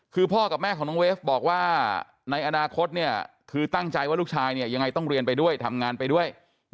คือพ่อกับแม่ของน้องเวฟบอกว่าในอนาคตคือตั้งใจว่าลูกชายเนี่ยยังไงต้องเรียนไปด้วยทำงานไปด้วย